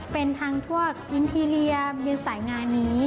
เป็นทางพวกอินทีเรียมเรียนสายงานนี้